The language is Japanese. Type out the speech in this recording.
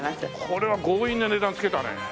これは強引な値段つけたね。